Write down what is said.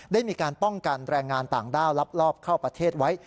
ได้มีการป้องกันแรงงานต่างด้าวลักลอบเข้าประเทศไว้